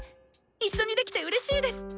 一緒にできてうれしいです！